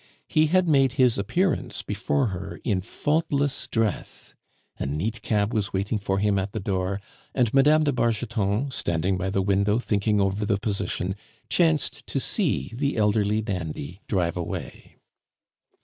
He had made his appearance before her in faultless dress, a neat cab was waiting for him at the door; and Mme. de Bargeton, standing by the window thinking over the position, chanced to see the elderly dandy drive away.